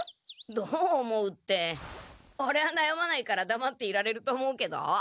どう思うってオレはなやまないからだまっていられると思うけど。